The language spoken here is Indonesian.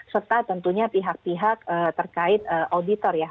serta tentunya pihak pihak terkait auditor ya